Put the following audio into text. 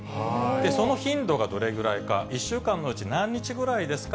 その頻度がどれぐらいか、１週間のうち何日ぐらいですか？